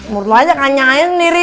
menurut lu aja kanyain sendiri